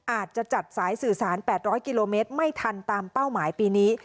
อาจจะจัดสายสื่อสาร๘๐๐กิโลเมตรไม่ทันตามเป้าหมายปีนี้